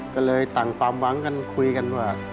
กะเลยต่างฟังกันคุยกันว่า